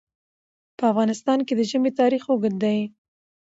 په افغانستان کې د ژمی تاریخ اوږد دی.